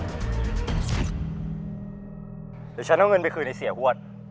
เดี๋ยวฉันเอาเงินไปคืนให้เสียหวด